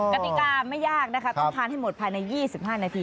กติกาไม่ยากนะคะต้องทานให้หมดภายใน๒๕นาที